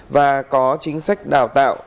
và có chính sách đào tạo